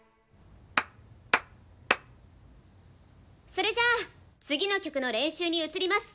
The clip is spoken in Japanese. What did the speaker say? それじゃあ次の曲の練習に移ります。